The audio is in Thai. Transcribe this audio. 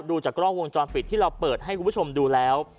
ดูจากกล้องวงจรปิดที่เราเปิดให้คุณผู้ชมดูแล้ว